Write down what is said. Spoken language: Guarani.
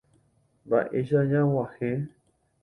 Mba'éicha ñag̃uahẽ.